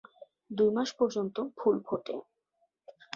দুই মাস পর্যন্ত ফুল ফোটে।